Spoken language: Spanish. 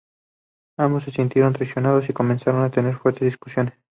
Ambos se sintieron traicionados y comienzan a tener fuertes discusiones.